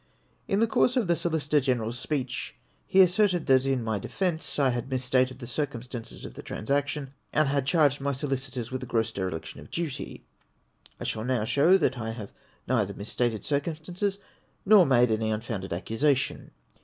In the course of the Solicitor General's speech he asserted that, in my defence, I had mis stated the circumstances of the transaction, and had charged my solicitors with a gross dereliction of duty. I shall show that, I have neither mis stated circumstances nor made any unfounded accusation.